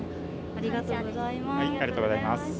ありがとうございます。